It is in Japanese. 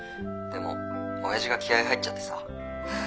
でも親父が気合い入っちゃってさ。